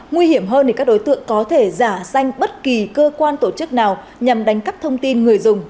nguy hiểm hơn thì các đối tượng có thể giả danh bất kỳ cơ quan tổ chức nào nhằm đánh cắp thông tin người dùng